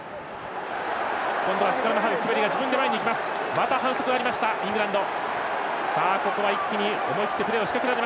また反則がありましたイングランド。